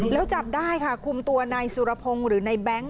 แล้วจับได้ค่ะคุมตัวนายสุรพงศ์หรือในแบงค์